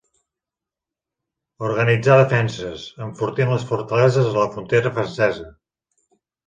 Organitzar defenses, enfortint les fortaleses a la frontera francesa.